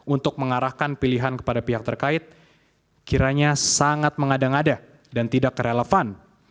untuk mengarahkan pilihan kepada pihak terkait kiranya sangat mengada ngada dan tidak relevan